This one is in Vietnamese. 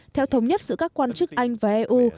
theo thống nhất giữa các quan chức anh và eu